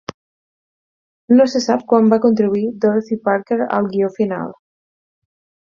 No se sap quan va contribuir Dorothy Parker al guió final.